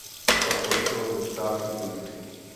Pak odešel ze státní služby.